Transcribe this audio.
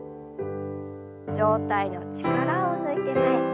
上体の力を抜いて前。